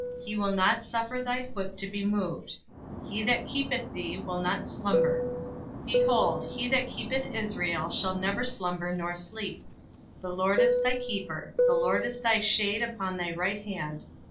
He will not suffer thy foot to be moved: he that keepeth thee will not slumber. Behold, he that keepeth Israel shall neither slumber nor sleep. The Lord is thy keeper, the Lord is thy shade upon thy right hand.